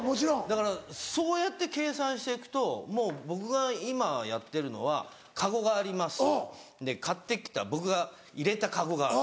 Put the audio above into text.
だからそうやって計算していくともう僕が今やってるのはカゴがありますで買ってきた僕が入れたカゴがある。